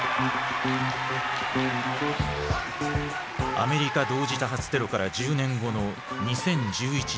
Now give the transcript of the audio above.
アメリカ同時多発テロから１０年後の２０１１年。